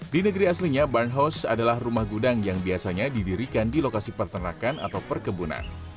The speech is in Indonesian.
di negeri aslinya barnhouse adalah rumah gudang yang biasanya didirikan di lokasi peternakan atau perkebunan